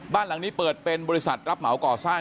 บ้านหลังนี้เปิดเป็นบริษัทรับเหมาก่อสร้าง